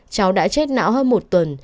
cháu đã chết não hơn một tuần